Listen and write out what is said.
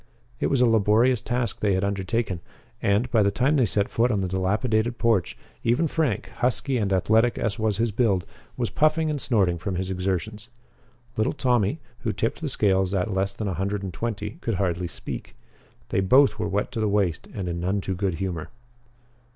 It was a laborious task they had undertaken, and, by the time they set foot on the dilapidated porch, even Frank, husky and athletic as was his build, was puffing and snorting from his exertions. Little Tommy, who tipped the scales at less than a hundred and twenty, could hardly speak. They both were wet to the waist and in none too good humor.